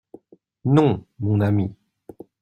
«Non, mon ami.